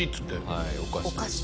はいおかし。